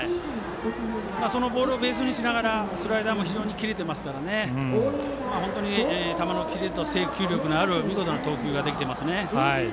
そのボールをベースにしながらスライダーも切れてますから本当に球のキレと制球力のある見事な投球ができていますね。